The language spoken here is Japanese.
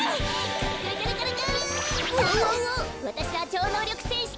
わたしはちょうのうりょくせんし